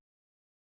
mak jadi kayak gila